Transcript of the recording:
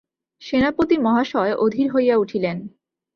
সেনাপতি মহাশয় অধীর হইয়া উঠিলেন।